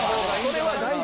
それは大事。